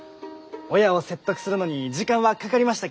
親を説得するのに時間はかかりました